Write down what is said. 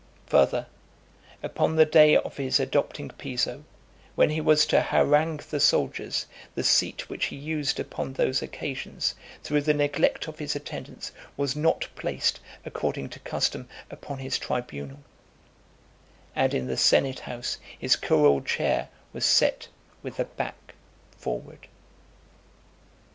Farther, upon the day of his adopting Piso, when he was to harangue the soldiers, the seat which he used upon those occasions, through the neglect of his attendants, was not placed, according to custom, upon his tribunal; and in the senate house, his curule chair was set with the back forward.